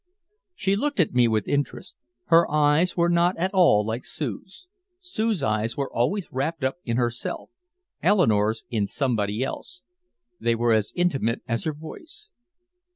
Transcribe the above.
She looked at me with interest. Her eyes were not at all like Sue's. Sue's eyes were always wrapped up in herself; Eleanore's in somebody else. They were as intimate as her voice.